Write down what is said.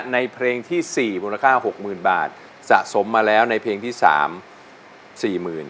ในเพลงที่สี่มูลค่าหกหมื่นบาทสะสมมาแล้วในเพลงที่สามสี่หมื่น